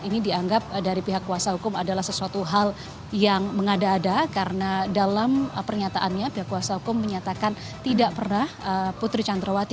ini dianggap dari pihak kuasa hukum adalah sesuatu hal yang mengada ada karena dalam pernyataannya pihak kuasa hukum menyatakan tidak pernah putri candrawati